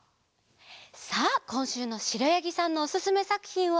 さあこんしゅうのしろやぎさんのおすすめさくひんは？